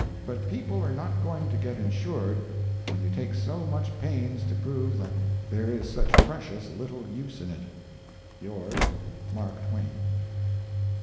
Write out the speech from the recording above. But people are not going to get insured, when you take so much pains to prove that there is such precious little use in it. Yours, MARK TWAIN.